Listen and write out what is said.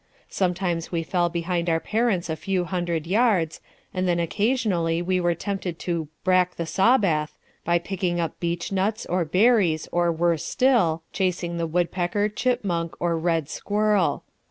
Sometimes we fell behind our parents a few hundred yards, and then occasionally we were tempted to 'brak the Sawbath' by picking up beech nuts, or berries, or worse still, chasing the woodpecker, chipmunk or red squirrel.